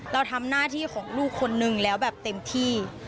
เราทำหน้าที่ของลูกคนนึงแล้วแบบเต็มที่